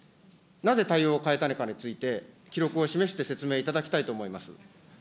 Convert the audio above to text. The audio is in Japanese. なぜ対応を変えたのかについて、記録を示して説明いただきたいと思います。